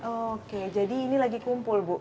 oke jadi ini lagi kumpul bu